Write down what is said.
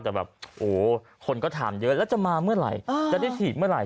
แต่แบบโอ้คนก็ถามเยอะแล้วจะมาเมื่อไหร่จะได้ฉีดเมื่อไหร